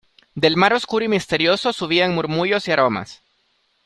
del mar oscuro y misterioso subían murmullos y aromas: